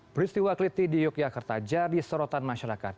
peristiwa keliti di yogyakarta jadi sorotan masyarakat